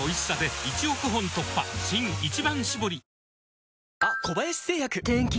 新「一番搾り」